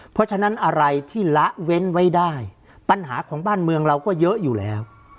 เพราะฉะนั้นอะไรที่ละเว้นไว้ได้ปัญหาของบ้านเมืองเราก็เยอะอยู่แล้ว